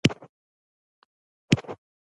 او نور وسایل نه ؤ،